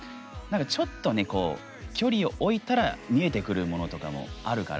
ちょっと、距離を置いたら見えてくるものとかもあるから。